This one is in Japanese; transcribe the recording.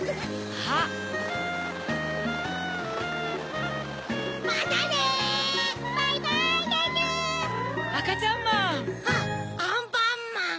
あっアンパンマン！